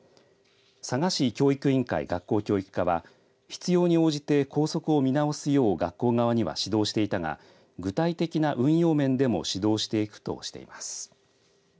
佐賀市教育委員会学校教育課は必要に応じて校則を見直すよう学校側には指導していたが具体的な運用面でも指導していくとしています。